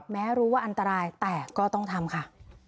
แม้รู้ว่าอันตรายแต่ก็ต้องทำค่ะ